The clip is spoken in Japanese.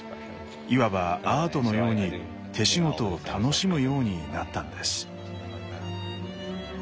いわばアートのように手仕事を楽しむようになったんです。